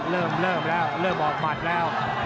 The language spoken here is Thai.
เริ่มแล้วเริ่มออกหมัดแล้ว